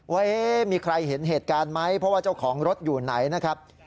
ว่ามีใครเห็นเหตุการณ์ไหมเพราะว่าเจ้าของรถอยู่ไหนนะครับ